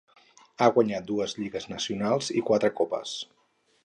Ha guanyat dues lligues nacionals i quatre copes.